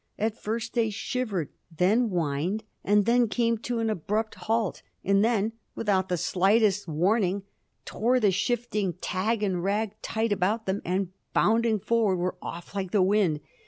At first they shivered, then whined, and then came to an abrupt halt; and then, without the slightest warning, tore the shifting tag and rag tight around them, and bounding forward, were off like the wind.